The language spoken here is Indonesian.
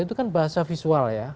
itu kan bahasa visual ya